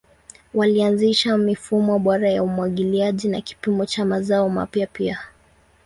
Walianzisha mifumo bora ya umwagiliaji na kilimo cha mazao mapya pia.